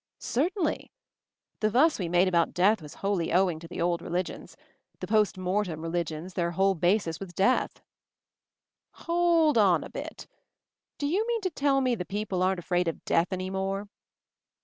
"Certainly. The fuss we made about death was wholly owing to the old religions ; the post mortem religions, their whole basis was death." "Hold on a bit. Do you mean to tell me the people aren't afraid of death any more?"